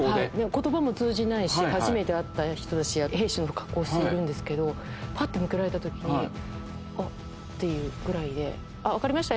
言葉も通じないし初めて会った人だし兵士の格好をしてるんですけどパッて向けられた時に。っていうぐらいで分かりました